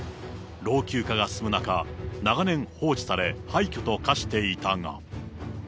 老朽化が進む中、長年放置され、廃虚と化していたが。